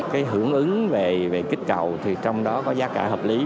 cái hưởng ứng về kích cầu thì trong đó có giá cả hợp lý